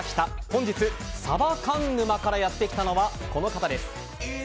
本日、サバ缶沼からやってきたのは、この方です。